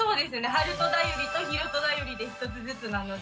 「はるとだより」と「ひろとだより」で１つずつなので。